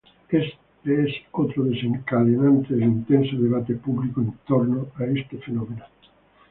Este es otro desencadenante del intenso debate público en torno a este fenómeno.